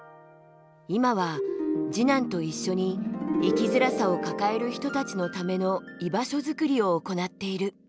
今は次男と一緒に生きづらさを抱える人たちのための居場所づくりを行っている。